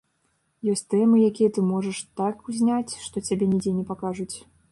Ёсць тэмы, якія ты можаш так зняць, што цябе нідзе не пакажуць.